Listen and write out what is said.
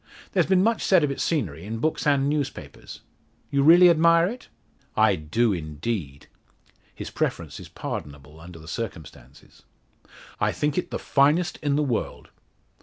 "There's been much said of its scenery in books and newspapers. You really admire it?" "I do, indeed." His preference is pardonable under the circumstances. "I think it the finest in the world."